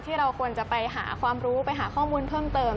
ที่เราควรจะไปหาความรู้ไปหาข้อมูลเพิ่มเติม